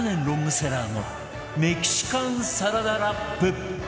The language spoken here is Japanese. ロングセラーのメキシカンサラダラップ